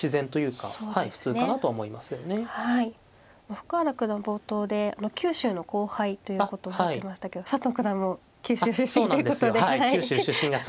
深浦九段冒頭で九州の後輩ということをおっしゃってましたけど佐藤九段も九州出身ということで。